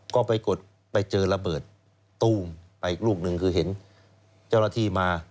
ก็ไปกดไปเจอระเบิดตู้มไปอีกลูกหนึ่งคือเห็นเจ้าหน้าที่มา